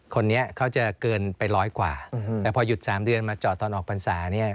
คนนี้เขาจะเกินไปร้อยกว่าแต่พอหยุด๓เดือนมาจอดตอนออกพรรษาเนี่ย